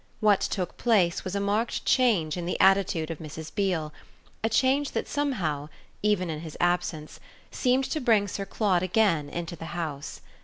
What took place was a marked change in the attitude of Mrs. Beale a change that somehow, even in his absence, seemed to bring Sir Claude again into the house.